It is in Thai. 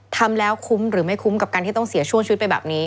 ทำแล้วคุ้มหรือไม่คุ้มกับการที่ต้องเสียชีวิตไปแบบนี้